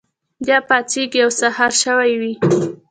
بیا پاڅیږي او سهار شوی وي.